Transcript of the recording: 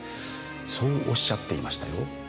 そうおっしゃっていましたよ。